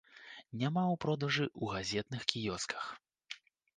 Няма ў продажы ў газетных кіёсках.